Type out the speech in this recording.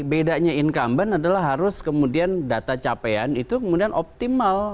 bedanya incumbent adalah harus kemudian data capaian itu kemudian optimal